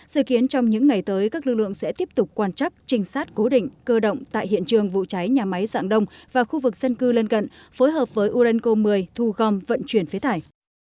dự kiến trong những ngày tới các lực lượng sẽ tiếp tục quan chắc trinh sát cố định cơ động tại hiện trường vụ cháy nhà máy dạng đông và khu vực dân cư lân cận phối hợp với urenco một mươi thu gom vận chuyển phế thải